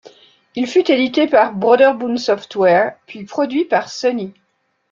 Il fut édité par Brøderbund Software puis produit par Sony.